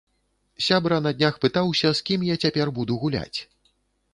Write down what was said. Сябра на днях пытаўся, з кім я цяпер буду гуляць.